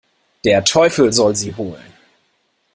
Der Teufel soll sie holen!